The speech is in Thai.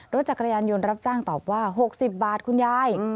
รถจักรยานยนต์รับจ้างตอบว่า๖๐บาทคุณยาย